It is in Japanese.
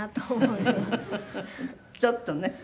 ちょっとね